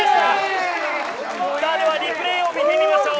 リプレーを見てみましょう。